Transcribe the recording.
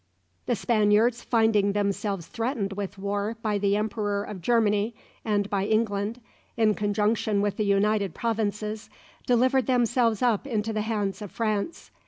The Spaniards, finding themselves threatened with war by the Emperor of Germany, and by England, in conjunction with the United Provinces, delivered themselves up into the hands of France.